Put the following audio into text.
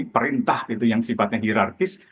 itu ada perintah gitu yang sifatnya hierarkis